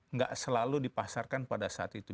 nggak selalu dipasarkan pada saat itu